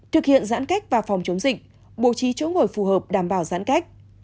thực hiện giãn cách và phòng chống dịch bố trí chỗ ngồi phù hợp đảm bảo giãn cách